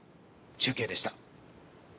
中継でした。